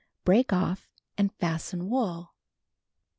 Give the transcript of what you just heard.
Break off and fasten wool.